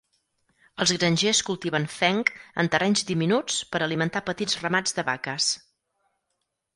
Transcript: Els grangers cultiven fenc en terrenys diminuts per alimentar petits ramats de vaques.